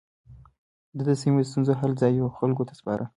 ده د سيمه ييزو ستونزو حل ځايي خلکو ته سپاره.